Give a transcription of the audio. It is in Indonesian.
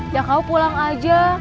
ya kau pulang aja